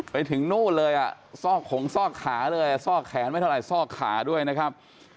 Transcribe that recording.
ไปถึงนู่นเลยอ่ะซอกขงซอกขาเลยซอกแขนไม่เท่าไหซอกขาด้วยนะครับ